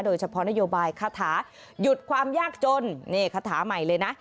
โดยเฉพาะนโยบายคาถาหยุดความยากจนนี่คาถาใหม่เลยนะ